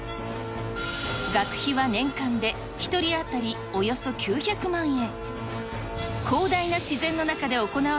学費は年間で１人当たりおよそ９００万円。